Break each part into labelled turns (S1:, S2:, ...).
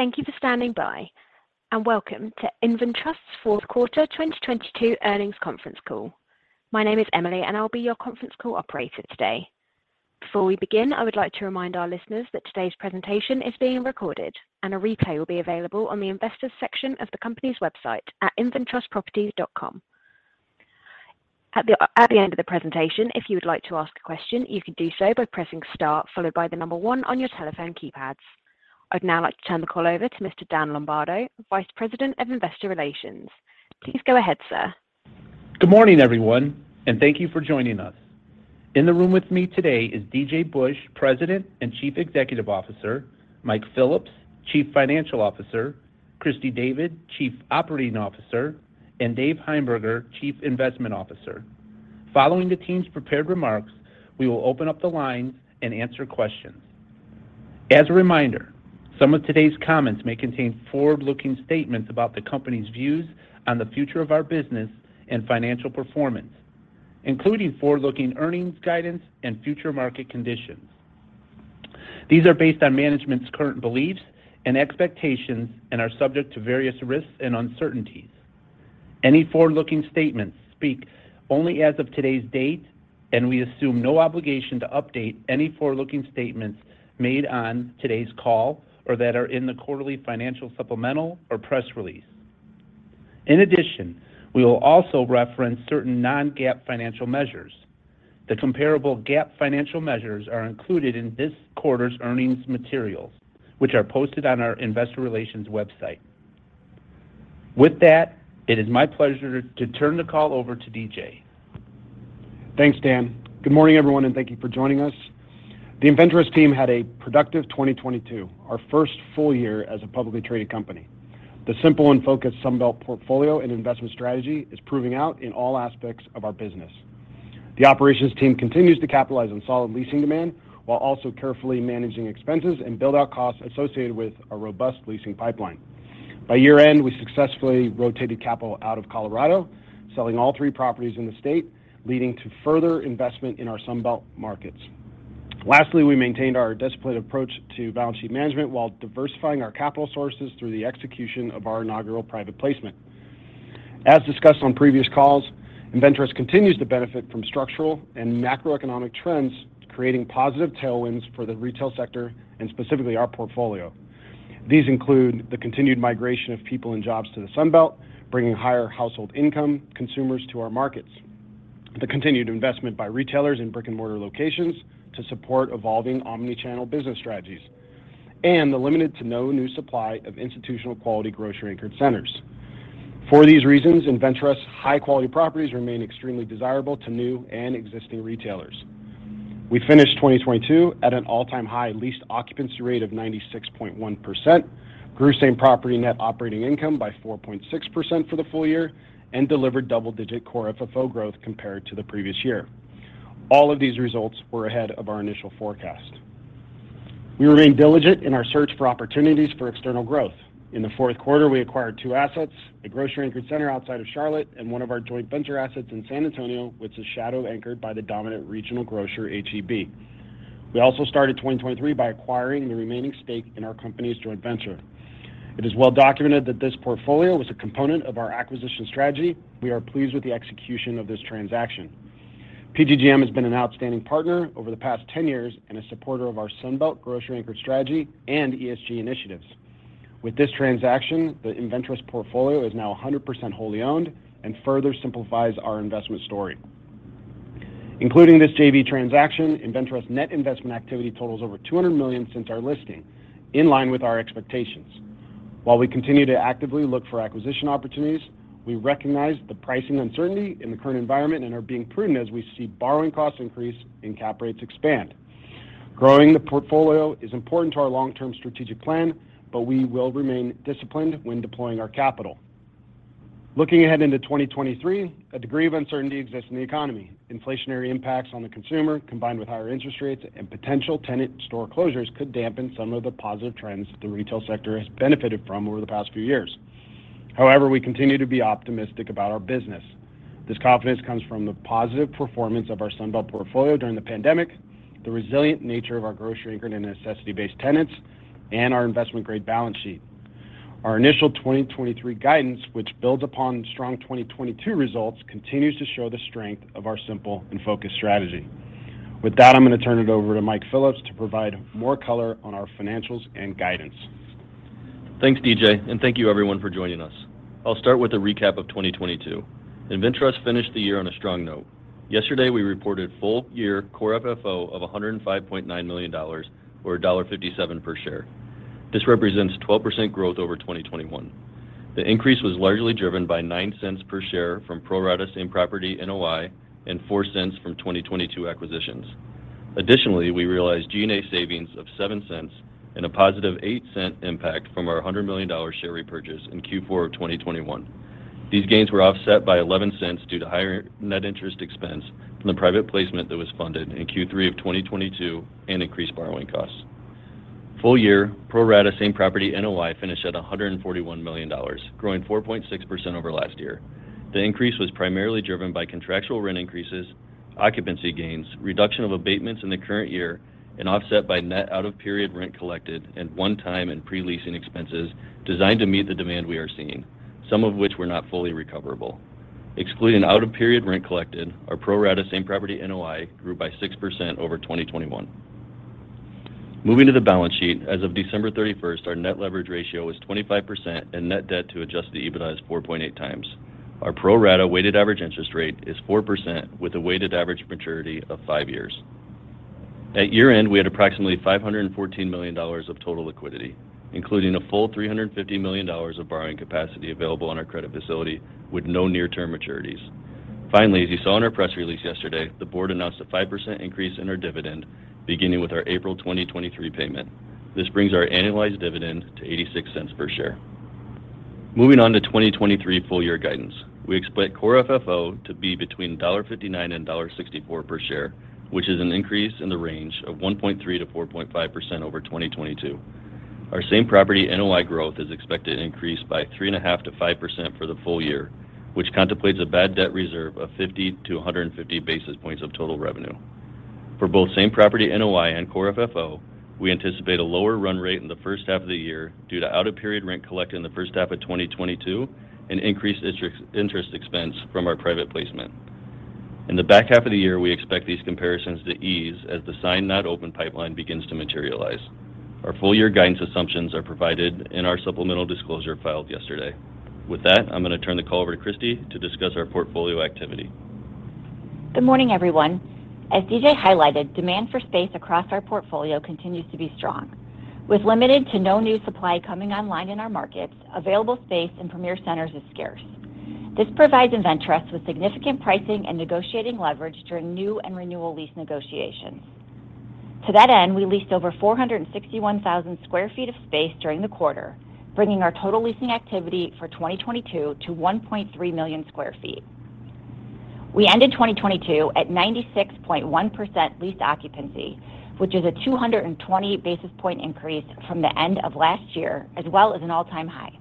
S1: Thank you for standing by, welcome to InvenTrust's fourth quarter 2022 earnings conference call. My name is Emily, I'll be your conference call operator today. Before we begin, I would like to remind our listeners that today's presentation is being recorded and a replay will be available on the Investors section of the company's website at inventrustproperties.com. At the end of the presentation, if you would like to ask a question, you can do so by pressing star followed by one on your telephone keypads. I'd now like to turn the call over to Mr. Dan Lombardo, Vice President of Investor Relations. Please go ahead, sir.
S2: Good morning, everyone, and thank you for joining us. In the room with me today is DJ Busch, President and Chief Executive Officer, Mike Phillips, Chief Financial Officer, Christy David, Chief Operating Officer, and Dave Heimberger, Chief Investment Officer. Following the team's prepared remarks, we will open up the lines and answer questions. As a reminder, some of today's comments may contain forward-looking statements about the company's views on the future of our business and financial performance, including forward-looking earnings guidance and future market conditions. These are based on management's current beliefs and expectations and are subject to various risks and uncertainties. Any forward-looking statements speak only as of today's date, and we assume no obligation to update any forward-looking statements made on today's call or that are in the quarterly financial supplemental or press release. In addition, we will also reference certain non-GAAP financial measures. The comparable GAAP financial measures are included in this quarter's earnings materials, which are posted on our Investor Relations website. With that, it is my pleasure to turn the call over to DJ.
S3: Thanks, Dan. Good morning, everyone, and thank you for joining us. The InvenTrust team had a productive 2022, our first full year as a publicly traded company. The simple and focused Sun Belt portfolio and investment strategy is proving out in all aspects of our business. The operations team continues to capitalize on solid leasing demand while also carefully managing expenses and build-out costs associated with a robust leasing pipeline. By year-end, we successfully rotated capital out of Colorado, selling all three properties in the state, leading to further investment in our Sun Belt markets. Lastly, we maintained our disciplined approach to balance sheet management while diversifying our capital sources through the execution of our inaugural private placement. As discussed on previous calls, InvenTrust continues to benefit from structural and macroeconomic trends, creating positive tailwinds for the retail sector and specifically our portfolio. These include the continued migration of people and jobs to the Sun Belt, bringing higher household income consumers to our markets. The continued investment by retailers in brick-and-mortar locations to support evolving omni-channel business strategies. The limited to no new supply of institutional quality grocery-anchored centers. For these reasons, InvenTrust's high-quality properties remain extremely desirable to new and existing retailers. We finished 2022 at an all-time high leased occupancy rate of 96.1%, grew same-property net operating income by 4.6% for the full year and delivered double-digit core FFO growth compared to the previous year. All of these results were ahead of our initial forecast. We remain diligent in our search for opportunities for external growth. In the fourth quarter, we acquired two assets, a grocery-anchored center outside of Charlotte and one of our joint venture assets in San Antonio, which is shadow anchored by the dominant regional grocer, H-E-B. We also started 2023 by acquiring the remaining stake in our company's joint venture. It is well documented that this portfolio was a component of our acquisition strategy. We are pleased with the execution of this transaction. PGGM has been an outstanding partner over the past 10 years and a supporter of our Sun Belt grocery-anchored strategy and ESG initiatives. With this transaction, the InvenTrust portfolio is now 100% wholly owned and further simplifies our investment story. Including this JV transaction, InvenTrust's net investment activity totals over $200 million since our listing, in line with our expectations. While we continue to actively look for acquisition opportunities, we recognize the pricing uncertainty in the current environment and are being prudent as we see borrowing costs increase and cap rates expand. Growing the portfolio is important to our long-term strategic plan, but we will remain disciplined when deploying our capital. Looking ahead into 2023, a degree of uncertainty exists in the economy. Inflationary impacts on the consumer, combined with higher interest rates and potential tenant store closures, could dampen some of the positive trends the retail sector has benefited from over the past few years. However, we continue to be optimistic about our business. This confidence comes from the positive performance of our Sun Belt portfolio during the pandemic, the resilient nature of our grocery-anchored and necessity-based tenants, and our investment-grade balance sheet. Our initial 2023 guidance, which builds upon strong 2022 results, continues to show the strength of our simple and focused strategy. With that, I'm gonna turn it over to Mike Phillips to provide more color on our financials and guidance.
S4: Thanks, DJ. Thank you everyone for joining us. I'll start with a recap of 2022. InvenTrust finished the year on a strong note. Yesterday, we reported full year core FFO of $105.9 million, or $1.57 per share. This represents 12% growth over 2021. The increase was largely driven by $0.09 per share from pro rata same-property NOI and $0.04 from 2022 acquisitions. Additionally, we realized G&A savings of $0.07 and a positive $0.08 impact from our $100 million share repurchase in Q4 of 2021. These gains were offset by $0.11 due to higher net interest expense from the private placement that was funded in Q3 of 2022 and increased borrowing costs. Full year pro rata same-property NOI finished at $141 million, growing 4.6% over last year. The increase was primarily driven by contractual rent increases, occupancy gains, reduction of abatements in the current year, and offset by net out-of-period rent collected and one time in pre-leasing expenses designed to meet the demand we are seeing, some of which were not fully recoverable. Excluding out of period rent collected, our pro rata same-property NOI grew by 6% over 2021. Moving to the balance sheet. As of December 31st, our net leverage ratio was 25% and net debt to adjust to EBITDA is 4.8x. Our pro rata weighted average interest rate is 4% with a weighted average maturity of 5 years. At year-end, we had approximately $514 million of total liquidity, including a full $350 million of borrowing capacity available on our credit facility with no near-term maturities. As you saw in our press release yesterday, the board announced a 5% increase in our dividend beginning with our April 2023 payment. This brings our annualized dividend to $0.86 per share. Moving on to 2023 full year guidance. We expect core FFO to be between $1.59 and $1.64 per share, which is an increase in the range of 1.3%-4.5% over 2022. Our same-property NOI growth is expected to increase by 3.5%-5% for the full year, which contemplates a bad debt reserve of 50-150 basis points of total revenue. For both same-property NOI and core FFO, we anticipate a lower run rate in the first half of the year due to out-of-period rent collected in the first half of 2022 and increased interest expense from our private placement. In the back half of the year, we expect these comparisons to ease as the signed not open pipeline begins to materialize. Our full year guidance assumptions are provided in our supplemental disclosure filed yesterday. With that, I'm going to turn the call over to Christy to discuss our portfolio activity.
S5: Good morning, everyone. As DJ highlighted, demand for space across our portfolio continues to be strong. With limited to no new supply coming online in our markets, available space in premier centers is scarce. This provides InvenTrust with significant pricing and negotiating leverage during new and renewal lease negotiations. To that end, we leased over 461,000 sq ft of space during the quarter, bringing our total leasing activity for 2022 to 1.3 million sq ft. We ended 2022 at 96.1% leased occupancy, which is a 220 basis point increase from the end of last year, as well as an all-time high.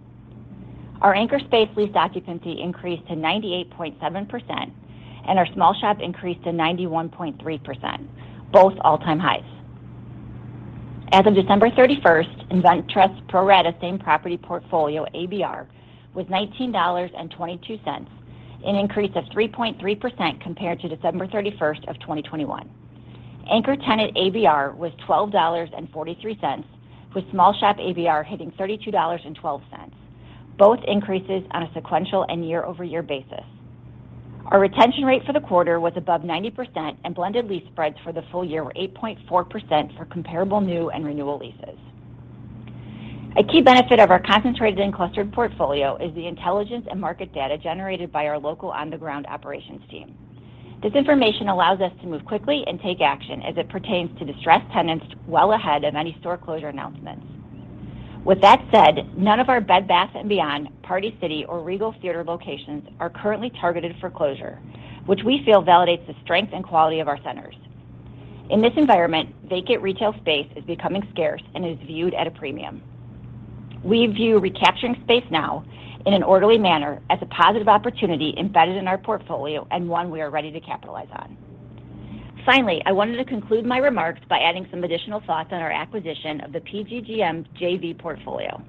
S5: Our anchor space leased occupancy increased to 98.7%, and our small shop increased to 91.3%, both all-time highs. As of December 31st, InvenTrust pro rata same property portfolio ABR was $19.22, an increase of 3.3% compared to December 31st, 2021. Anchor tenant ABR was $12.43, with small shop ABR hitting $32.12, both increases on a sequential and year-over-year basis. Our retention rate for the quarter was above 90%. Blended leasing spreads for the full year were 8.4% for comparable new and renewal leases. A key benefit of our concentrated and clustered portfolio is the intelligence and market data generated by our local on-the-ground operations team. This information allows us to move quickly and take action as it pertains to distressed tenants well ahead of any store closure announcements. With that said, none of our Bed Bath & Beyond, Party City, or Regal Cinemas locations are currently targeted for closure, which we feel validates the strength and quality of our centers. In this environment, vacant retail space is becoming scarce and is viewed at a premium. We view recapturing space now in an orderly manner as a positive opportunity embedded in our portfolio and one we are ready to capitalize on. I wanted to conclude my remarks by adding some additional thoughts on our acquisition of the PGGM JV portfolio.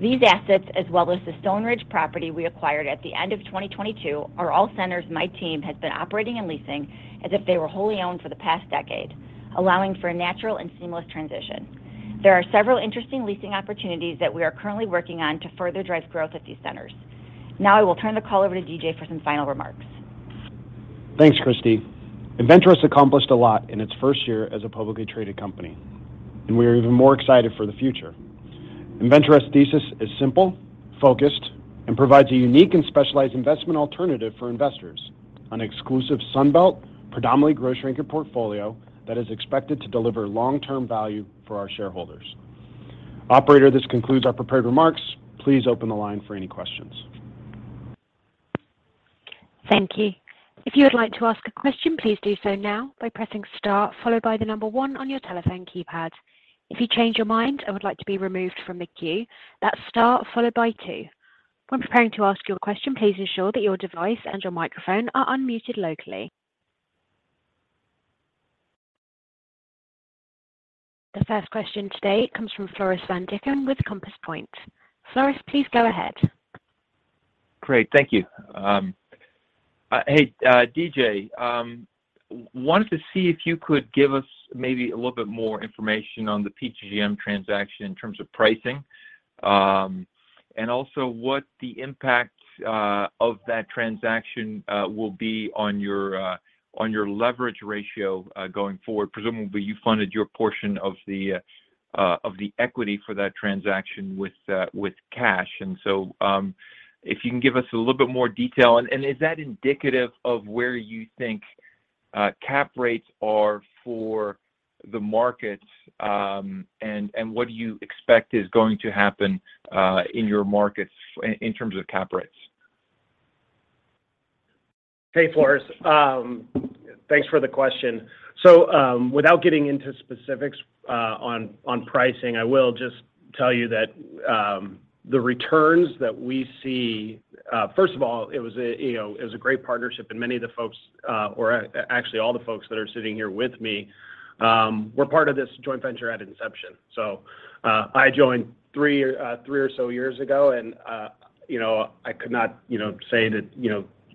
S5: These assets, as well as the Stone Ridge property we acquired at the end of 2022, are all centers my team has been operating and leasing as if they were wholly owned for the past decade, allowing for a natural and seamless transition. There are several interesting leasing opportunities that we are currently working on to further drive growth at these centers. I will turn the call over to DJ for some final remarks.
S3: Thanks, Christy. InvenTrust accomplished a lot in its first year as a publicly traded company. We are even more excited for the future. InvenTrust's thesis is simple, focused, and provides a unique and specialized investment alternative for investors on exclusive Sun Belt, predominantly grocery-anchored portfolio that is expected to deliver long-term value for our shareholders. Operator, this concludes our prepared remarks. Please open the line for any questions.
S1: Thank you. If you would like to ask a question, please do so now by pressing star followed by one on your telephone keypad. If you change your mind and would like to be removed from the queue, that's star followed by two. When preparing to ask your question, please ensure that your device and your microphone are unmuted locally. The first question today comes from Floris van Dijkum with Compass Point. Floris, please go ahead.
S6: Great. Thank you. Hey, DJ, wanted to see if you could give us maybe a little bit more information on the PGGM transaction in terms of pricing, and also what the impact of that transaction will be on your leverage ratio going forward. Presumably, you funded your portion of the equity for that transaction with cash. So, if you can give us a little bit more detail. Is that indicative of where you think cap rates are for the markets, and what do you expect is going to happen in your markets in terms of cap rates?
S3: Hey, Floris. Thanks for the question. Without getting into specifics, on pricing, I will just tell you that, the returns that we see, first of all, it was a, you know, it was a great partnership and many of the folks, actually all the folks that are sitting here with me, were part of this joint venture at inception. I joined three or so years ago, I could not, you know, say that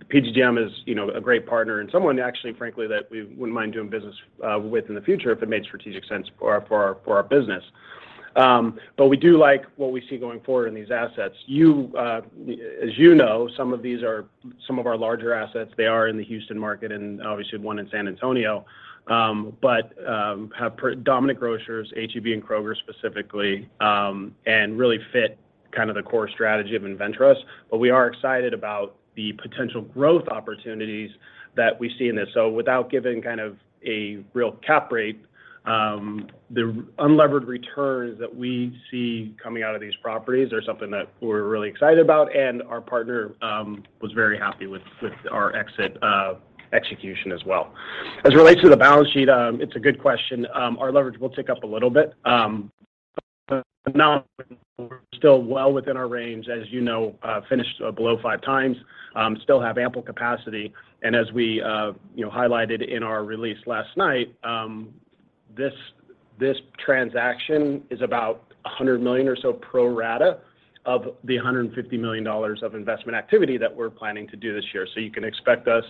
S3: PGGM is a great partner and someone actually frankly that we wouldn't mind doing business with in the future if it made strategic sense for our business. We do like what we see going forward in these assets. You, as you know, some of these are some of our larger assets. They are in the Houston market and obviously one in San Antonio. Have dominant grocers, H-E-B and Kroger specifically, and really fit kind of the core strategy of InvenTrust. We are excited about the potential growth opportunities that we see in this. Without giving kind of a real cap rate, the unlevered returns that we see coming out of these properties are something that we're really excited about, and our partner was very happy with our exit execution as well. As it relates to the balance sheet, it's a good question. Our leverage will tick up a little bit, we're still well within our range, as you know, finished below 5x, still have ample capacity. As we, you know, highlighted in our release last night, this transaction is about $100 million or so pro rata of the $150 million of investment activity that we're planning to do this year. You can expect us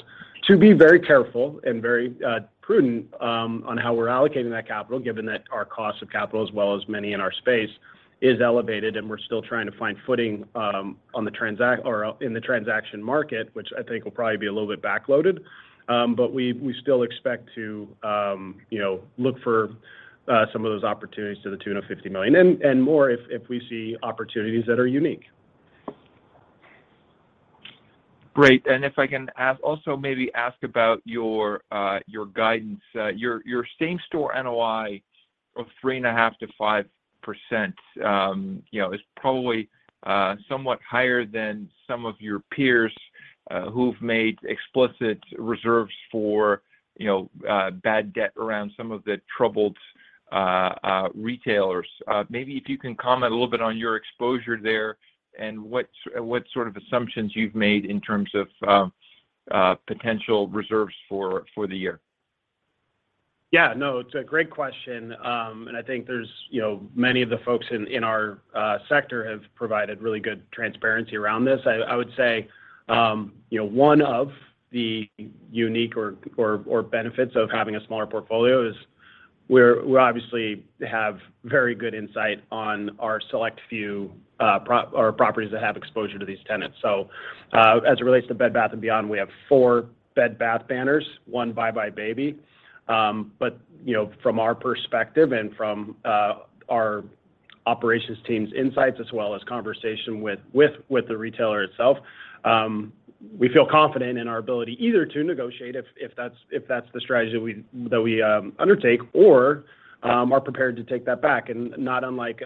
S3: to be very careful and very prudent on how we're allocating that capital, given that our cost of capital as well as many in our space is elevated, and we're still trying to find footing in the transaction market, which I think will probably be a little bit backloaded. We still expect to, you know, look for some of those opportunities to the tune of $50 million and more if we see opportunities that are unique.
S6: Great. If I can ask, also maybe ask about your guidance. Your same-property NOI of 3.5%-5%, you know, is probably somewhat higher than some of your peers, who've made explicit reserves for, you know, bad debt around some of the troubled retailers. Maybe if you can comment a little bit on your exposure there and what sort of assumptions you've made in terms of potential reserves for the year.
S3: Yeah, no, it's a great question. I think there's, you know, many of the folks in our sector have provided really good transparency around this. I would say, you know, one of the unique or benefits of having a smaller portfolio is we obviously have very good insight on our select few properties that have exposure to these tenants. As it relates to Bed Bath & Beyond, we have four Bed Bath banners, one buybuy BABY. You know, from our perspective and from our operations team's insights as well as conversation with the retailer itself, we feel confident in our ability either to negotiate if that's the strategy we undertake, or are prepared to take that back. Not unlike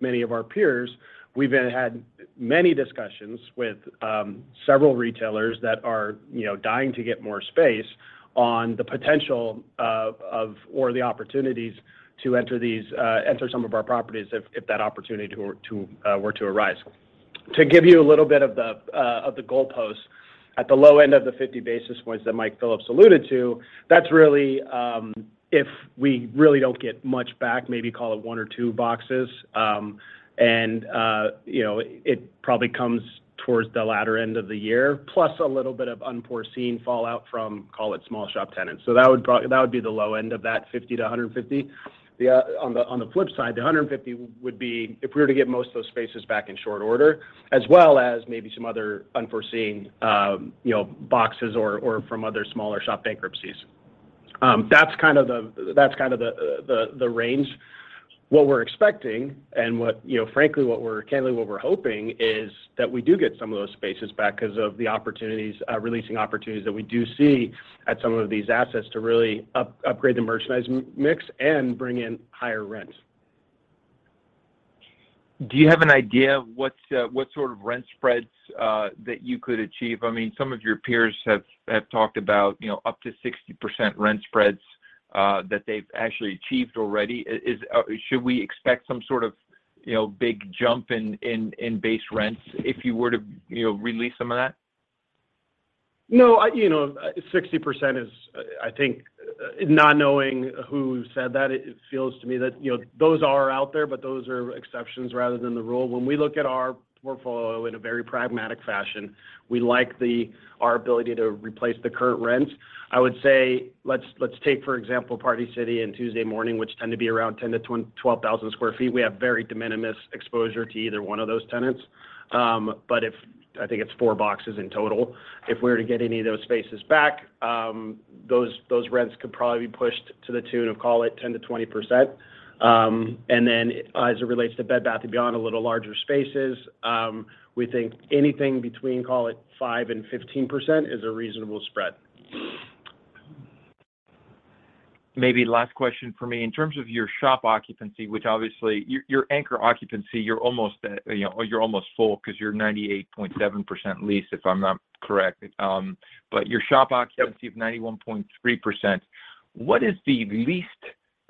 S3: many of our peers, we've had many discussions with several retailers that are, you know, dying to get more space on the potential of or the opportunities to enter some of our properties if that opportunity were to arise. To give you a little bit of the goalpost, at the low end of the 50 basis points that Mike Phillips alluded to, that's really, if we really don't get much back, maybe call it one or two boxes. You know, it probably comes towards the latter end of the year, plus a little bit of unforeseen fallout from call it small shop tenants. That would be the low end of that 50-150. The on the on the flip side, the 150 would be if we were to get most of those spaces back in short order, as well as maybe some other unforeseen, you know, boxes or from other smaller shop bankruptcies. That's kind of the range. What we're expecting and what, you know, frankly, candidly what we're hoping is that we do get some of those spaces back 'cause of the opportunities, releasing opportunities that we do see at some of these assets to really upgrade the merchandise mix and bring in higher rent.
S6: Do you have an idea of what sort of rent spreads that you could achieve? I mean, some of your peers have talked about, you know, up to 60% rent spreads, that they've actually achieved already. Should we expect some sort of, you know, big jump in base rents if you were to, you know, release some of that?
S3: No, I, you know, 60% is, I think, not knowing who said that, it feels to me that, you know, those are out there, but those are exceptions rather than the rule. When we look at our portfolio in a very pragmatic fashion, we like our ability to replace the current rents. I would say let's take for example, Party City and Tuesday Morning, which tend to be around 10,000-12,000 sq ft. We have very de minimis exposure to either one of those tenants. If, I think it's four boxes in total, if we were to get any of those spaces back, those rents could probably be pushed to the tune of, call it 10%-20%. As it relates to Bed Bath & Beyond, a little larger spaces, we think anything between, call it 5% and 15% is a reasonable spread.
S6: Maybe last question from me. In terms of your shop occupancy, which obviously your anchor occupancy, you're almost at, you know, you're almost full 'cause you're 98.7% leased, if I'm not correct. Your shop occupancy of 91.3%,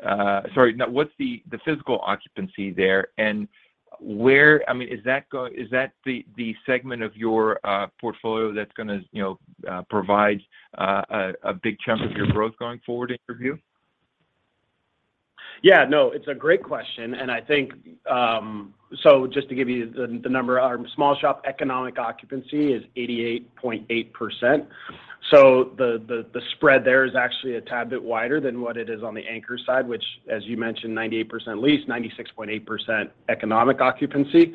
S6: what's the physical occupancy there, and where, I mean, is that the segment of your portfolio that's gonna, you know, provide a big chunk of your growth going forward in your view?
S3: Yeah. No, it's a great question. I think, just to give you the number, our small shop economic occupancy is 88.8%. The spread there is actually a tad bit wider than what it is on the anchor side, which as you mentioned, 98% leased, 96.8% economic occupancy.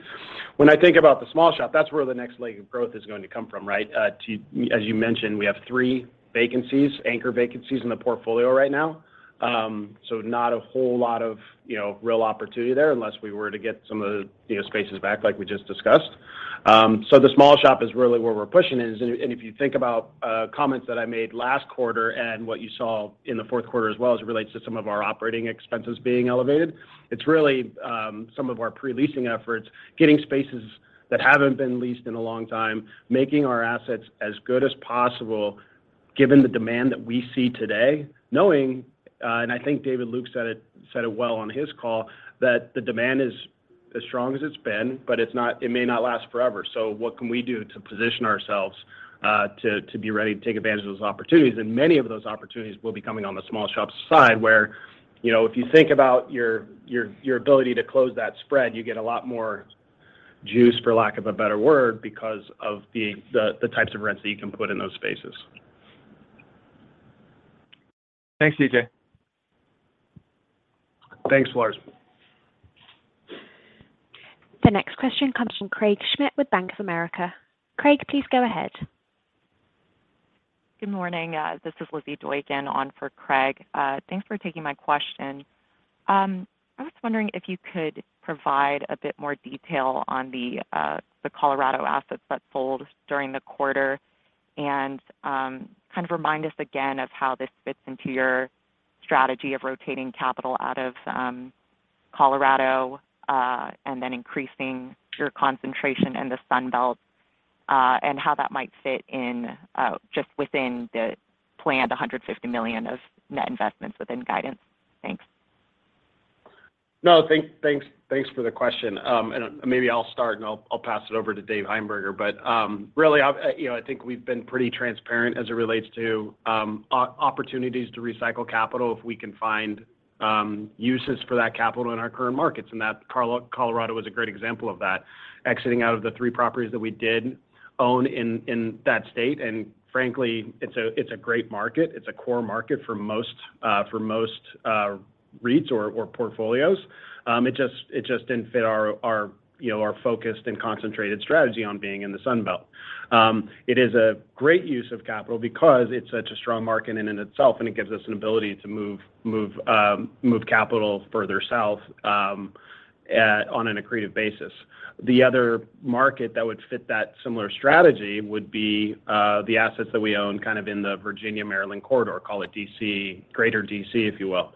S3: When I think about the small shop, that's where the next leg of growth is going to come from, right? As you mentioned, we have 3 vacancies, anchor vacancies in the portfolio right now. Not a whole lot of, you know, real opportunity there unless we were to get some of the, you know, spaces back like we just discussed. The small shop is really where we're pushing is. If you think about comments that I made last quarter and what you saw in the fourth quarter as well as it relates to some of our operating expenses being elevated, it's really some of our pre-leasing efforts, getting spaces that haven't been leased in a long time, making our assets as good as possible given the demand that we see today, knowing, and I think David Lukes said it well on his call, that the demand is as strong as it's been, but it may not last forever. What can we do to position ourselves, to be ready to take advantage of those opportunities? Many of those opportunities will be coming on the small shops side where, you know, if you think about your ability to close that spread, you get a lot more juice, for lack of a better word, because of the types of rents that you can put in those spaces.
S6: Thanks, DJ.
S3: Thanks, Floris.
S1: The next question comes from Craig Schmidt with Bank of America. Craig, please go ahead.
S7: Good morning. This is Lizzy Doykan on for Craig. Thanks for taking my question. I was wondering if you could provide a bit more detail on the Colorado assets that sold during the quarter, and kind of remind us again of how this fits into your strategy of rotating capital out of Colorado, and then increasing your concentration in the Sun Belt, and how that might fit in just within the planned $150 million of net investments within guidance. Thanks.
S3: No, thanks for the question. Maybe I'll start and I'll pass it over to Dave Heimberger. Really I, you know, I think we've been pretty transparent as it relates to opportunities to recycle capital if we can find uses for that capital in our current markets. That Colorado was a great example of that, exiting out of the three properties that we did own in that state. Frankly, it's a great market. It's a core market for most, for most REITs or portfolios. It just didn't fit our, you know, our focused and concentrated strategy on being in the Sun Belt. It is a great use of capital because it's such a strong market in and itself, and it gives us an ability to move capital further south on an accretive basis. The other market that would fit that similar strategy would be the assets that we own kind of in the Virginia/Maryland corridor, call it D.C., greater D.C., if you will.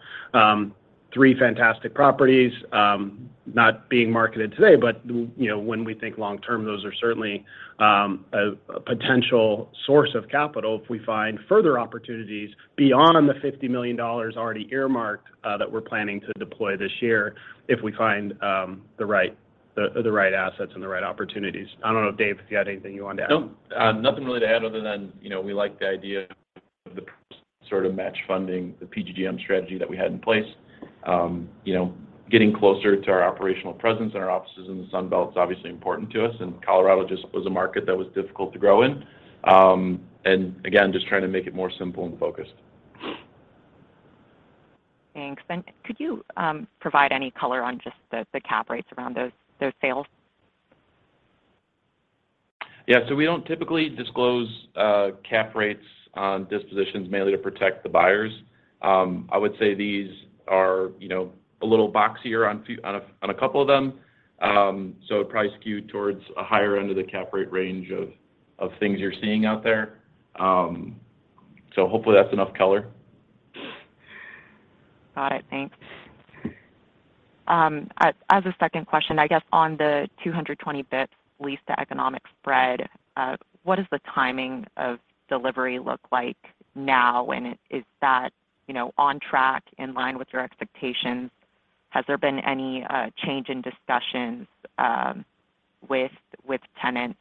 S3: Three fantastic properties, not being marketed today. You know, when we think long term, those are certainly a potential source of capital if we find further opportunities beyond the $50 million already earmarked that we're planning to deploy this year if we find the right assets and the right opportunities. I don't know, Dave, if you had anything you wanted to add?
S8: No. Nothing really to add other than, you know, we like the idea of the sort of match funding, the PGGM strategy that we had in place. You know, getting closer to our operational presence and our offices in the Sun Belt is obviously important to us. Colorado just was a market that was difficult to grow in. Again, just trying to make it more simple and focused.
S7: Thanks. Could you provide any color on just the cap rates around those sales?
S8: Yeah. We don't typically disclose cap rates on dispositions mainly to protect the buyers. I would say these are, you know, a little boxier on a couple of them. It'd probably skew towards a higher end of the cap rate range of things you're seeing out there. Hopefully that's enough color.
S7: Got it. Thanks. As a second question, I guess on the 220 bip lease-to-economic occupancy spread, what does the timing of delivery look like now and is that, you know, on track in line with your expectations? Has there been any change in discussions with tenants?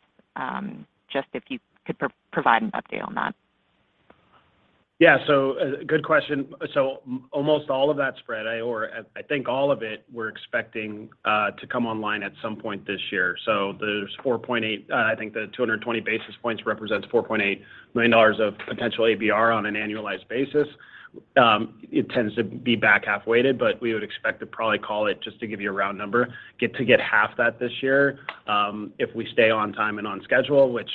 S7: Just if you could provide an update on that.
S3: Yeah. A good question. Almost all of that spread or I think all of it we're expecting to come online at some point this year. There's 4.8, I think the 220 basis points represents $4.8 million of potential ABR on an annualized basis. It tends to be back half weighted but we would expect to probably call it, just to give you a round number, get half that this year, if we stay on time and on schedule which,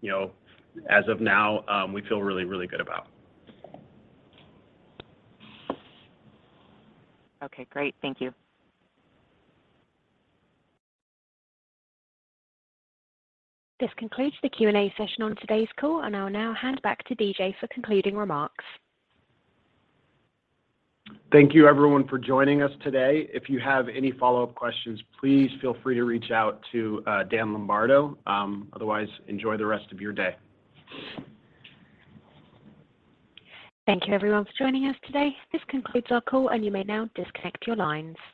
S3: you know, as of now, we feel really, really good about.
S7: Okay, great. Thank you.
S1: This concludes the Q&A session on today's call and I'll now hand back to DJ for concluding remarks.
S3: Thank you everyone for joining us today. If you have any follow-up questions, please feel free to reach out to Dan Lombardo. Otherwise, enjoy the rest of your day.
S1: Thank you everyone for joining us today. This concludes our call. You may now disconnect your lines.